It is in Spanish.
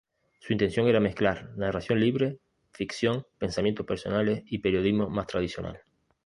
Su intención era mezclar narración libre, ficción, pensamientos personales y periodismo más tradicional.